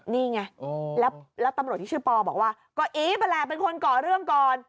นี่ไงแล้วตำรวจที่ชื่อปอบอกว่าก็อีฟนั่นแหละเป็นคนก่อเรื่องก่อน